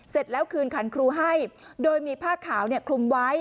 เสร็จแล้วคืนขันครูให้โดยมีผ้าขาวคลุมไว้